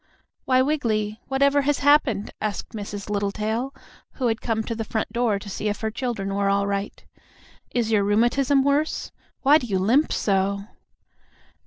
"Why, Wiggily, whatever has happened?" asked Mrs. Littletail, who had come to the front door to see if her children were all right. "Is your rheumatism worse? Why do you limp so?"